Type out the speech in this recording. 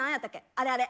あれあれ。